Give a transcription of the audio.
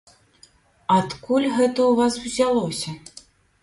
Адкуль гэта ў вас узялося?